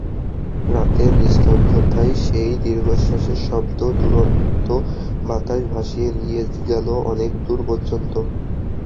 রাতের নিস্তব্ধতায় সেই দীর্ঘশ্বাসের শব্দ দুরন্ত বাতাস ভাসিয়ে নিয়ে গেল অনেকদূর পর্যন্ত।